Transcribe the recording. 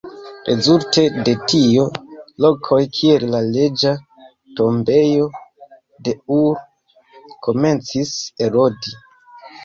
Rezulte de tio, lokoj kiel la Reĝa Tombejo de Ur, komencis erodi.